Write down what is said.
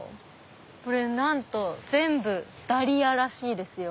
これなんと全部ダリアらしいですよ。